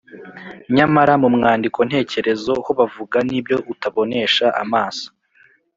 nyamara mu mwandiko ntekerezo ho bavuga n’ibyo utabonesha amaso